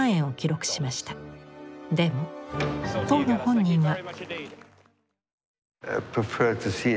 でも当の本人は。